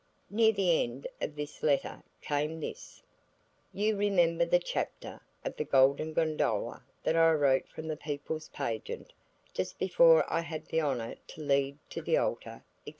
Near the end of this letter came this:– "You remember the chapter of 'The Golden Gondola' that I wrote for the People's Pageant just before I had the honour to lead to the altar, &c.